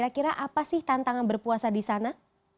kira kira apa sih tantangan berpuasa di sana